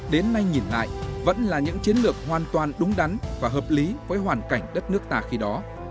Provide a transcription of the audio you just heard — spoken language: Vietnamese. đến nay nhìn lại vẫn là những chiến lược hoàn toàn đúng đắn và hợp lý với hoàn cảnh đất nước ta khi đó